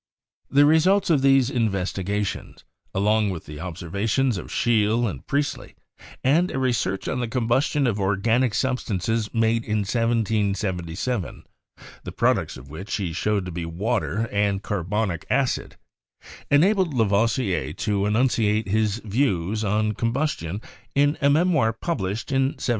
The results of these investigations, along with the ob servations of Scheele and Priestley, and a research on the combustion of organic substances made in 1777, the prod ucts of which he showed to be water and carbonic acid, enabled Lavoisier to enunciate his views on combustion in a memoir published in 1778.